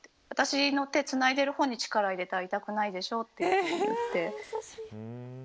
私の手をつないでるほうに力を入れたら痛くないでしょって。